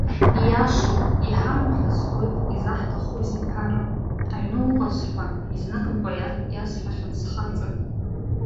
Ииашоуп, иҳамоу ҳазхоит, изаҳҭахузеи аԥара, аҩны уҟаз ҳәа изныкымкәа иасҳәахьан схаҵа.